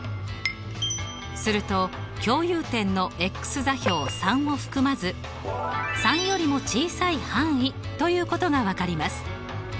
すると共有点の座標３を含まず３よりも小さい範囲ということが分かります。